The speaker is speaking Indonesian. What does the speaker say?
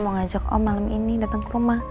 mau ngajak om malam ini dateng ke rumah